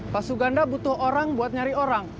pak suganda butuh orang buat nyari orang